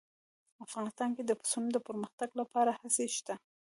افغانستان کې د پسونو د پرمختګ لپاره هڅې شته.